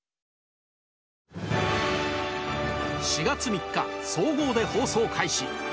４月３日総合で放送開始